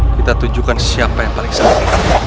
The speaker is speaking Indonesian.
kita tunjukkan siapa yang paling saya